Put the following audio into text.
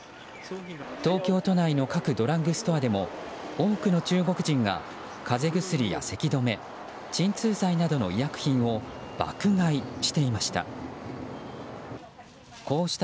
東京都内の各ドラッグストアでも多くの中国人が風邪薬や、せき止め鎮痛剤などの医薬品を爆買いしていました。